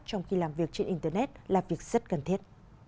trong khi làm việc trên internet là việc rất cần thiết